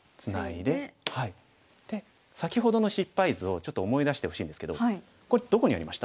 で先ほどの失敗図をちょっと思い出してほしいんですけどこれどこにありました？